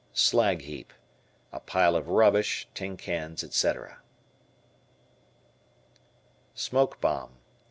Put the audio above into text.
"Slag Heap." A pile of rubbish, tin cans, etc. Smoke Bomb.